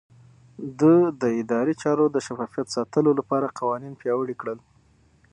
ده د ادارې چارو د شفافيت ساتلو لپاره قوانين پياوړي کړل.